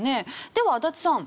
では足立さん